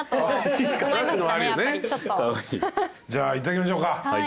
じゃあいただきましょうか。